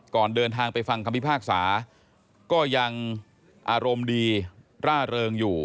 เดินทางไปฟังคำพิพากษาก็ยังอารมณ์ดีร่าเริงอยู่